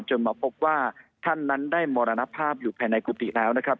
มาพบว่าท่านนั้นได้มรณภาพอยู่ภายในกุฏิแล้วนะครับ